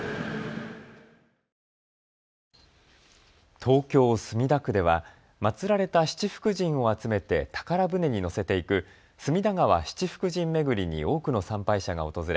東京墨田区では祭られた七福神を集めて宝船にのせていく隅田川七福神めぐりに多くの参拝者が訪れ